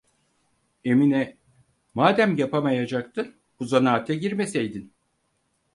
Emine "Madem yapamayacaktın, bu zanaata girmeseydin!"